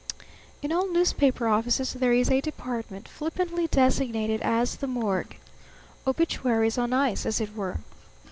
In all newspaper offices there is a department flippantly designated as the Morgue. Obituaries on ice, as it were.